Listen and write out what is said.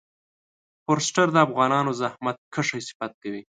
فورسټر د افغانانو زحمت کښی صفت کوي.